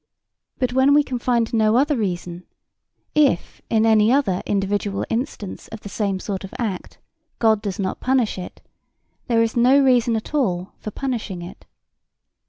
But when we can find no / other reason, if, in any other individual instance of the same sort of act, God does not punish it, there is no reason at all for punishing it.